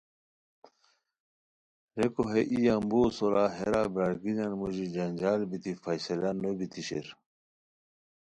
ریکو ہے ای یامبوؤ سورا ہیرا برارگینیان موژی جنجال بیتی فیصلہ نو بیتی شیر